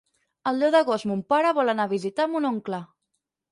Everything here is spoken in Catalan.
El deu d'agost mon pare vol anar a visitar mon oncle.